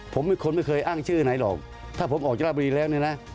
ผมเป็นคนไม่เคยอ้างชื่อไหนหรอกถ้าผมออกจากราบุรีแล้วเนี่ยนะ